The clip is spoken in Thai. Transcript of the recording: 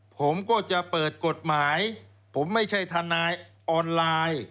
ผมก็จะเปิดกฎหมายผมไม่ใช่ทนายออนไลน์